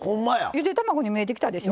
ゆで卵に見えてきたでしょ？